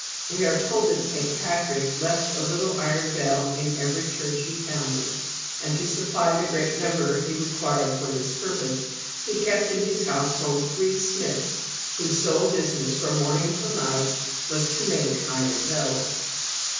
We are told that St. Patrick left a little iron bell in every church he founded; and, to supply the great number he required for this purpose, he kept in his household three smiths whose sole business from morning till night was to make iron bells.